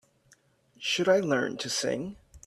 Should I learn to sing?